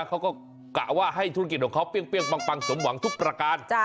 กะว่าให้ธุรกิจของเขาเปรี้ยงปังสมหวังทุกประการ